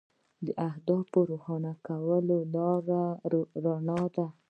د هدف روښانه کول د لارې رڼا ده.